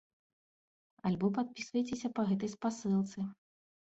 Альбо падпісвайцеся па гэтай спасылцы.